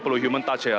perlu human touch ya